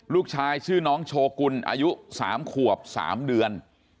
ลูกชายชื่อน้องโชกุลอายุ๓ขวบ๓เดือน